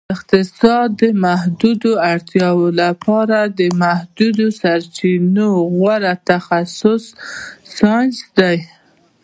اقتصاد د محدودو اړتیاوو لپاره د محدودو سرچینو غوره تخصیص ساینس دی